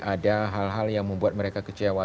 ada hal hal yang membuat mereka kecewa